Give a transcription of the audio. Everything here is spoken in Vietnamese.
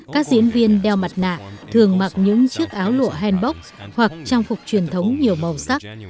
các diễn viên đeo mặt nạ thường mặc những chiếc áo lụa hèn bóc hoặc trang phục truyền thống nhiều màu sắc